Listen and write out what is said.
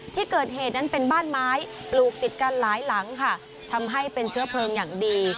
ที่เกิดเหตุนั้นเป็นบ้านไม้ปลูกติดกันหลายหลังค่ะทำให้เป็นเชื้อเพลิงอย่างดี